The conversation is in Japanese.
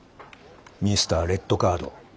ミスター・レッドカード。